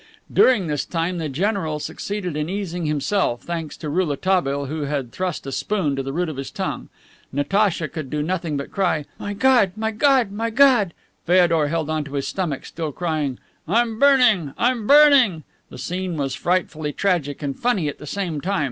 During this time the general succeeded in easing himself, thanks to Rouletabille, who had thrust a spoon to the root of his tongue. Natacha could do nothing but cry, "My God, my God, my God!" Feodor held onto his stomach, still crying, "I'm burning, I'm burning!" The scene was frightfully tragic and funny at the same time.